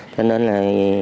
cho nên là